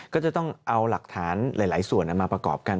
ก็จะต้องเอาหลักฐานหลายส่วนมาประกอบกัน